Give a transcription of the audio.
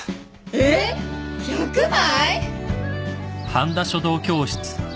えっ１００枚！？